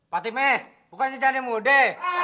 fatime bukan si candi muda